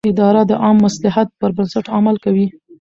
اداره د عامه مصلحت پر بنسټ عمل کوي.